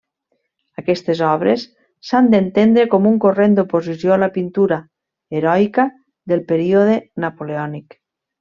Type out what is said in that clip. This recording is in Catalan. Aquestes obres s'han d'entendre com un corrent d'oposició a la pintura heroica del període napoleònic.